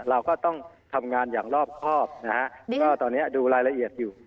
เราก็ต้องทำงานอย่างรอบครอบนะฮะก็ตอนนี้ดูรายละเอียดอยู่